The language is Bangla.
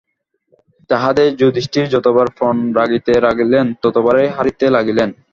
তাহাতেই যুধিষ্ঠির যতবার পণ রাখিতে লাগিলেন ততবারই হারিতে লাগিলেন।